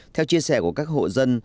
theo chia sẻ của các hộ dân